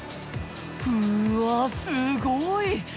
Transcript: うわすごい！